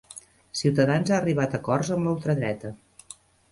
Ciutadans ha arribat a acords amb la ultradreta